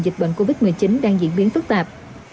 dịch bệnh covid một mươi chín đang diễn biến phức tạp